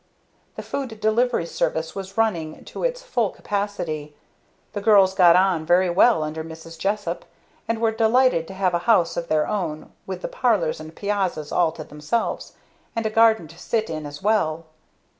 The food delivery service was running to its full capacity; the girls got on very well under Mrs. Jessup, and were delighted to have a house of their own with the parlors and piazzas all to themselves, and a garden to sit in as well.